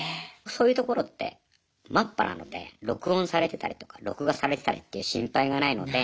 そういうところってマッパなので録音されてたりとか録画されてたりっていう心配がないので。